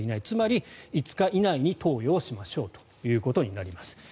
つまり５日以内に投与をしましょうということになります。